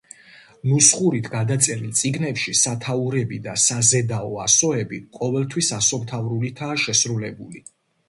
ნუსხურით გადაწერილ წიგნებში სათაურები და საზედაო ასოები ყოველთვის ასომთავრულითაა შესრულებული.